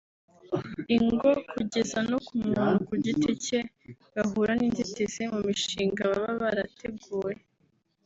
ingo kugeza no ku muntu ku giti cye bahura n’inzitizi mu mishinga baba barateguye